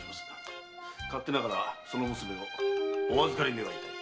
勝手ながらその娘御お預かり願いたい。